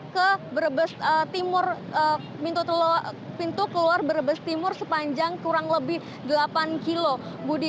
ke pintu keluar berebes timur sepanjang kurang lebih delapan km budi